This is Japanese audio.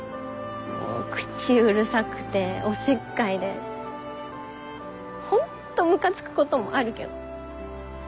口うるさくておせっかいでホントムカつくこともあるけど。